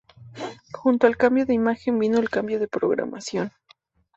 Junto al cambio de imagen vino el cambio de programación.